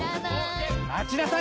待ちなさい！